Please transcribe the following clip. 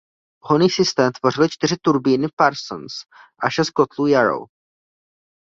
Pohonný systém tvořily čtyři turbíny Parsons a šest kotlů Yarrow.